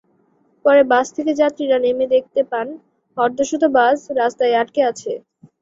পরে বাস থেকে যাত্রীরা নেমে দেখতে পান, অর্ধশত বাস রাস্তায় আটকে আছে।